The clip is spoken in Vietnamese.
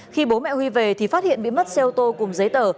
khi bố mẹ huy về thì phát hiện bị mất xe ô tô cùng giấy tờ